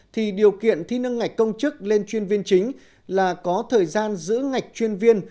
thì điều kiện thi nâng ngạch công chức lên chuyên viên chính là có thời gian giữ ngạch chuyên viên